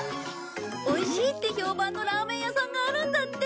おいしいって評判のラーメン屋さんがあるんだって。